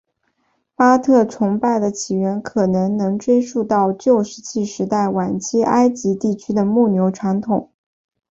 巴特崇拜的起源可能能追溯到旧石器时代晚期埃及地区的牧牛传统。